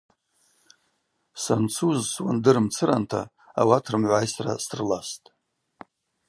Санцуз, суандыр мцыранта, ауат рымгӏвайсра срыластӏ.